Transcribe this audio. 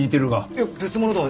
いや別物だ。